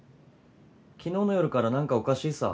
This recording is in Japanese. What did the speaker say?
昨日の夜から何かおかしいさ。